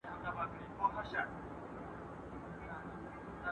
هغه زما تر ټولو نږدې کس ده.